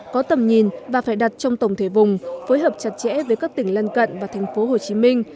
có tầm nhìn và phải đặt trong tổng thể vùng phối hợp chặt chẽ với các tỉnh lân cận và thành phố hồ chí minh